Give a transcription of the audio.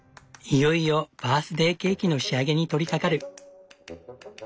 いよいよバースデーケーキの仕上げに取りかかる。